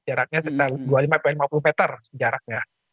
jaraknya sekitar dua puluh lima sampai lima puluh meter jaraknya